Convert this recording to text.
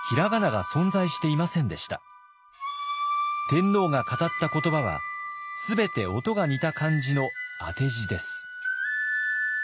天皇が語った言葉は全て音が似た漢字の当て字です。